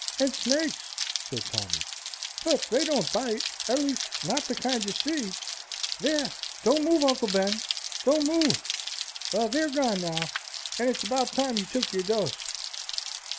"And snakes," said Tommy; "but they don't bite, at least not that kind you see. There! don't move, Uncle Ben, don't move; they're gone now. And it's about time you took your dose."